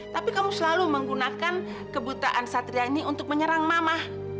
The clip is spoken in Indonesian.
tapi kamu selalu menggunakan kebutaan satria ini untuk menyerang mama